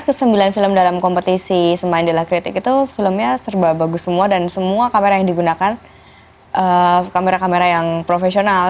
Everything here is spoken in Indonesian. karena sembilan film dalam kompetisi semain dila kritik itu filmnya serba bagus semua dan semua kamera yang digunakan kamera kamera yang profesional